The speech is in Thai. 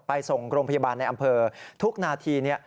ไปส่งโรงพยาบาลในอำเภอทุกนาที